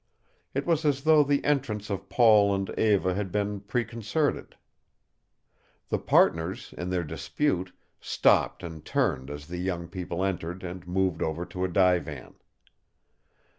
It was as though the entrance of Paul and Eva had been preconcerted. The partners, in their dispute, stopped and turned as the young people entered and moved over to a divan.